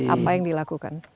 apa yang dilakukan